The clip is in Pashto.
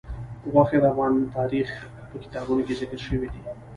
غوښې د افغان تاریخ په کتابونو کې ذکر شوی دي.